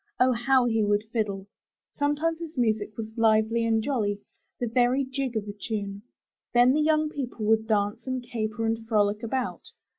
Oh, how he would fiddle! Sometimes his music was lively and jolly, the very jig of a tune. Then the young people would dance and caper and frolic about.